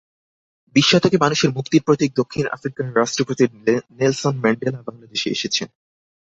বিশ শতকে মানুষের মুক্তির প্রতীক দক্ষিণ আফ্রিকার রাষ্ট্রপতি নেলসন ম্যান্ডেলা বাংলাদেশে এসেছেন।